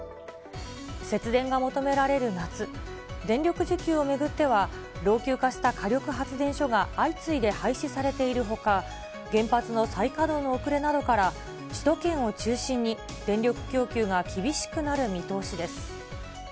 節電が求められる夏、電力需給を巡っては、老朽化した火力発電所が相次いで廃止されているほか、原発の再稼働の遅れなどから、首都圏を中心に電力供給が厳しくなる見通しです。